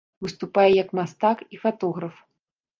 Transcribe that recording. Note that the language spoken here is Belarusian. Выступае як мастак і фатограф.